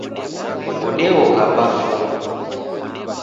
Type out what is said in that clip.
Odeogha bafunyi.